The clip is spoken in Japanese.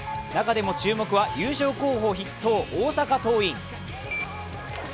中でも注目は優勝候補筆頭大阪桐蔭。